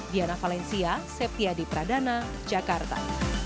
diana valencia septiadi pradana jakarta